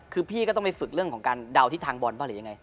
คือพี่ก็ต้องไปฝึกเรื่องของการเดาทิศทางบอลบ้างหรือยังไง